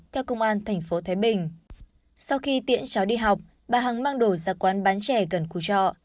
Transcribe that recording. theo công an tp thái bình sau khi tiễn cháu đi học bà hằng mang đổ ra quán bán trẻ gần khu trọ